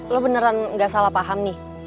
lo beneran gak salah paham nih